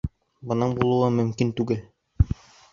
Бының булыуы мөмкин түгел!